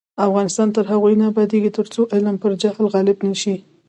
افغانستان تر هغو نه ابادیږي، ترڅو علم پر جهل غالب نشي.